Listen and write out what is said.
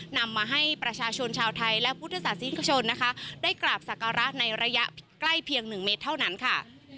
นำมาให้ประชาชนชาวไทยและพุทธศาสนิกชนนะคะได้กราบศักระในระยะใกล้เพียง๑เมตรเท่านั้นค่ะ